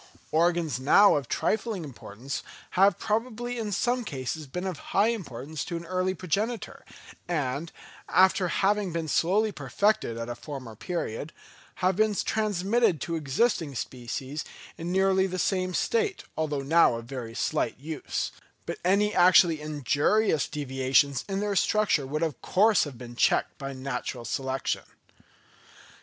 Organs now of trifling importance have probably in some cases been of high importance to an early progenitor, and, after having been slowly perfected at a former period, have been transmitted to existing species in nearly the same state, although now of very slight use; but any actually injurious deviations in their structure would of course have been checked by natural selection.